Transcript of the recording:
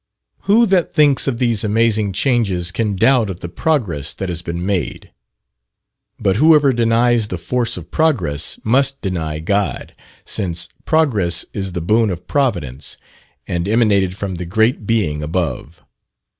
Who that thinks of these amazing changes can doubt of the progress that has been made? But whoever denies the force of progress must deny God, since progress is the boon of Providence, and emanated from the great Being above.